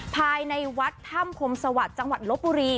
ภายในวัดถ้ำคมสวัสดิ์จังหวัดลบบุรี